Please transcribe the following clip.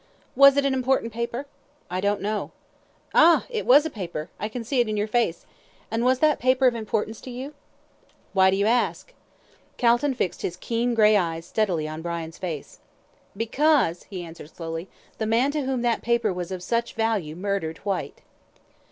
"Was it an important paper?" "I don't know." "Ah! It was a paper. I can see it in your face. And was that paper of importance to you?" "Why do you ask?" Calton fixed his keen grey eyes steadily on Brian's face. "Because," he answered slowly, "the man to whom that paper was of such value murdered Whyte."